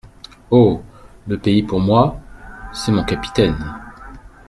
Oh ! le pays pour moi… c’est mon capitaine !